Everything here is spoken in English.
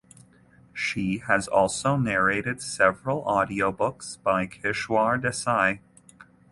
She has also narrated several audiobooks by Kishwar Desai.